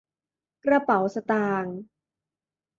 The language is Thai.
กระเป๋าสตางค์